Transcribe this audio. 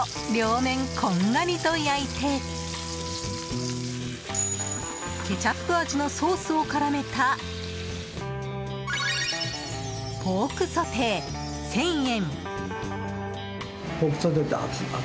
これを両面、こんがりと焼いてケチャップ味のソースを絡めたポークソテー、１０００円。